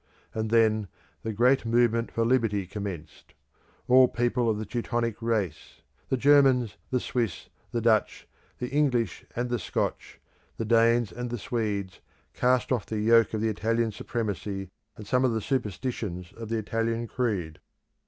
And then the great movement for Liberty commenced. All people of the Teutonic race; the Germans, the Swiss, the Dutch, the English and the Scotch, the Danes and the Swedes, cast off the yoke of the Italian supremacy, and some of the superstitions of the Italian creed.